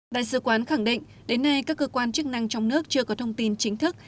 đại sứ quán khẳng định đến nay các cơ quan chức năng trong nước chưa có thông tin chính thức